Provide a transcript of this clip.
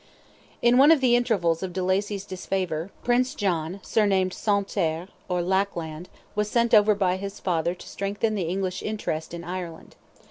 In one of the intervals of de Lacy's disfavour, Prince John, surnamed Sans terre, or "lack land," was sent over by his father to strengthen the English interest in Ireland.